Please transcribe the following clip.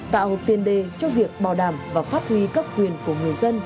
tạo tiền đề cho việc bảo đảm và phát huy các quyền của người dân